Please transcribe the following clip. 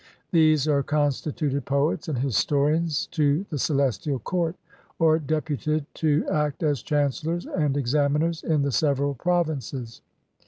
These are constituted poets and historians to the Celestial Court, or deputed to act as chancellors and examiners in the several provinces.